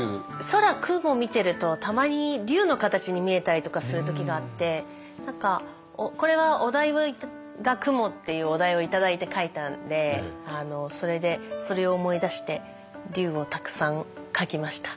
空雲見てるとたまに竜の形に見えたりとかする時があって何かこれはお題が「雲」っていうお題を頂いて描いたんでそれでそれを思い出して竜をたくさん描きました。